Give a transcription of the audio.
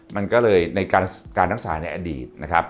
มันก็เลยในการรักษาในอดีตนะครับ